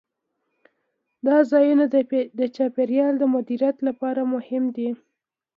دا ځایونه د چاپیریال د مدیریت لپاره مهم دي.